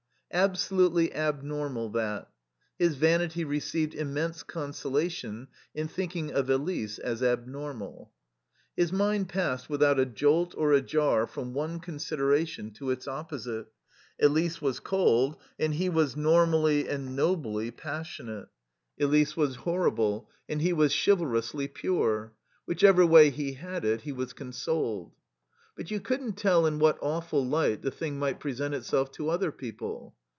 Absolutely abnormal, that. His vanity received immense consolation in thinking of Elise as abnormal. His mind passed without a jolt or a jar from one consideration to its opposite. Elise was cold and he was normally and nobly passionate Elise was horrible and he was chivalrously pure. Whichever way he had it he was consoled. But you couldn't tell in what awful light the thing might present itself to other people.